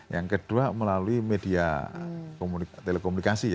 yang kedua melalui media telekomunikasi